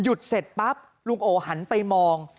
เสร็จปั๊บลุงโอหันไปมอง